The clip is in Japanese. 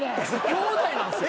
兄弟なんですよ。